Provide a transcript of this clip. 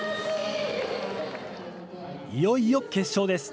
いよいよ決勝です。